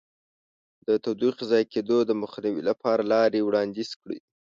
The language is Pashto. د تودوخې ضایع کېدو د مخنیوي لپاره لارې وړاندیز کړئ.